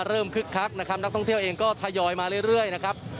คึกคักนะครับนักท่องเที่ยวเองก็ทยอยมาเรื่อยนะครับ